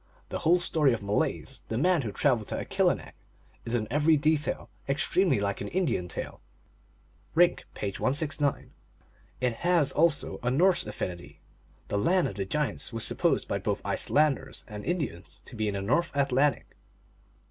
The whole story of Malaise, the man who traveled to Akilinek, is in every detail extremely like an Indian tale. (Rink, page 169.) It has also a Norse affinity. The land of the giants was supposed by both Iceland ers and Indians to be in the North Atlantic.